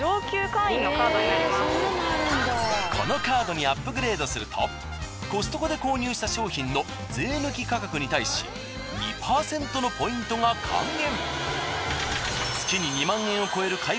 このカードにアップグレードするとコストコで購入した商品の税抜き価格に対し２％のポイントが還元。